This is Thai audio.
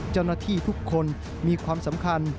เจ้าหน้าที่ทุกคนมีความสำคัญ